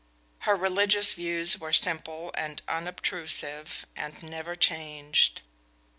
Her religious views were simple and unobtrusive, and never changed.